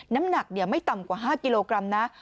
น้ำหนักไม่ต่ำกว่า๕กิโลกรัมนะ